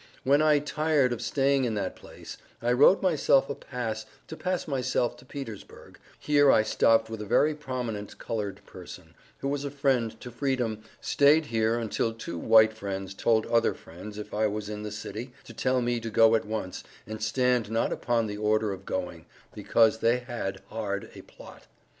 When I got Tired of staying in that place, I wrote myself a pass to pass myself to Petersburg, here I stopped with a very prominent Colored person, who was a friend to Freedom stayed here until two white friends told other friends if I was in the city to tell me to go at once, and stand not upon the order of going, because they had hard a plot.